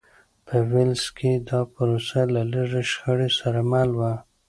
په ویلز کې دا پروسه له لږې شخړې سره مل وه.